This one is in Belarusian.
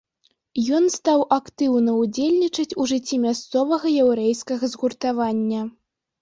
Ён стаў актыўна ўдзельнічаць у жыцці мясцовага яўрэйскага згуртавання.